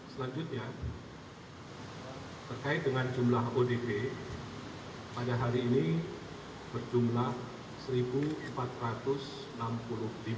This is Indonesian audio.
selanjutnya terkait dengan jumlah odp pada hari ini berjumlah satu empat ratus enam puluh